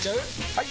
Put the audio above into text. ・はい！